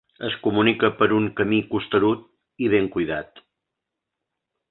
Es comunica per un camí costerut i ben cuidat.